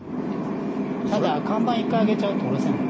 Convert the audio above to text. ただ、看板一回上げちゃうと、下ろせない。